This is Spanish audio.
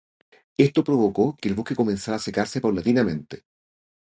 Esto provocó que el bosque comenzara a secarse paulatinamente.